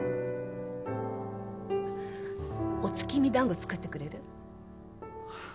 お月見だんご作ってくれる？